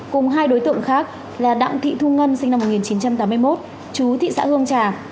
cùng hai đối tượng khác là đặng thị thu ngân sinh năm một nghìn chín trăm tám mươi một chú thị xã hương trà